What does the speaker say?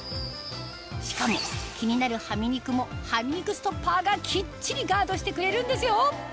しかも気になるハミ肉もがきっちりガードしてくれるんですよ！